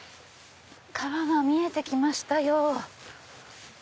川が見えて来ましたよ。